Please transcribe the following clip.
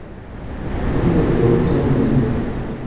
ژوند د زړورتیا نوم دی.